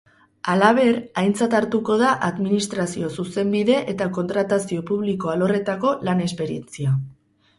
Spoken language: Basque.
Halaber, aintzat hartuko da administrazio zuzenbide eta kontratazio publiko alorretako lan esperientzia.